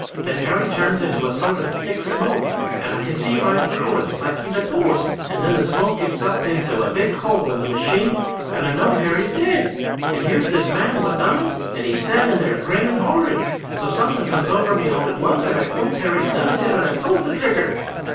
Then Harry turns into a sort of thick smoke and I can see right through him like he was a ghost; and then the smoke gets sucked into a big hole in the machine and I know Harry's dead. And here's this man what done it, just a standin' there, grinnin' horrid. So something comes over me all at once and I points Harry's gun at him and pulls the trigger!'